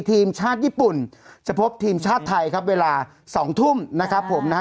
ทีมชาติญี่ปุ่นจะพบทีมชาติไทยครับเวลาสองทุ่มนะครับผมนะฮะ